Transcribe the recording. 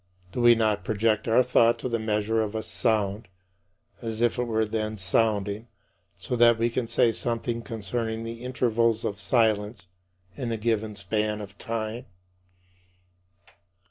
Do we not project our thought to the measure of a sound, as if it were then sounding, so that we can say something concerning the intervals of silence in a given span of time?